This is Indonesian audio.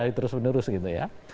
terus menerus gitu ya